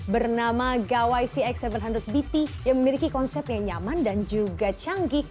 bernama gawai cx tujuh ratus bt yang memiliki konsep yang nyaman dan juga canggih